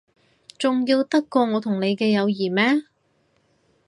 重要得過我同你嘅友誼咩？